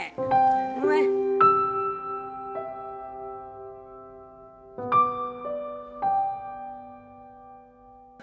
หรือไม่